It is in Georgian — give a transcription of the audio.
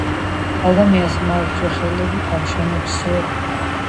ადამიანს მარჯვე, ხელები ამშვენებსო.